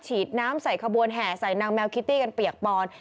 ฉีดน้ำใส่ขบวนแห่ใส่นางแมวคิตตี้กันเปียกปอน